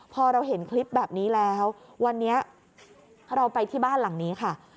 พอเราเห็นคลิปแบบนี้แล้ววันนี้เราไปที่บ้านหลังนี้ค่ะ